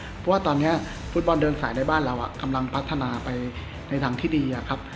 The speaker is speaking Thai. เพราะว่าตอนนี้ฟุตบอลเดินสายในบ้านเรากำลังพัฒนาไปในทางที่ดีครับ